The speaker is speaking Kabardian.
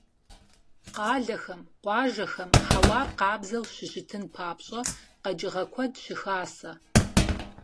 Къалэхэм, къуажэхэм хьэуар къабззу щыщытын папщӀэ, къэкӀыгъэ куэд щыхасэ.